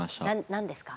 何ですか？